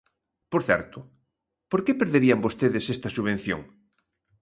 Por certo, ¿por que perderían vostedes esta subvención?